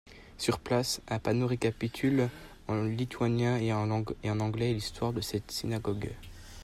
Sur place, un panneau récapitule en lituanien et en anglais l'histoire de cette synagogue.